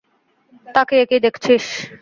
তাকিয়ে কী দেখছিস?